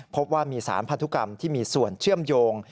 พบว่ามีสารพันธุกรรมที่มีส่วนเชื่อมโยง